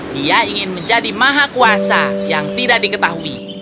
dia ingin menjadi maha kuasa yang tidak diketahui